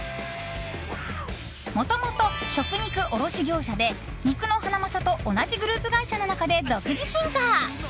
もともと食肉卸業者で肉のハナマサと同じグループ会社の中で独自進化。